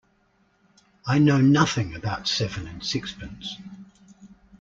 I know nothing about seven and sixpence.